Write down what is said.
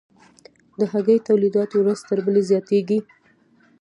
د هګیو تولیدات ورځ تر بلې زیاتیږي